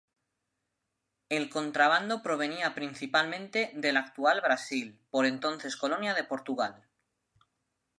El contrabando provenía principalmente del actual Brasil, por entonces colonia de Portugal.